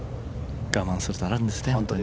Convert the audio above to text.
我慢するとあるんですね。